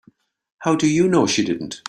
How do you know she didn't?